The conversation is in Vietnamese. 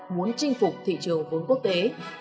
muốn chinh phục thị trường vốn quốc tế